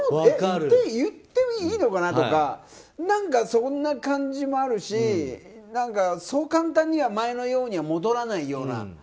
言っていいのかなとかそんな感じもあるしそう簡単には前のようには戻らないような。